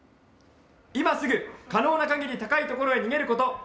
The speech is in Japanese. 今すぐ可能なかぎり高いところへ逃げること。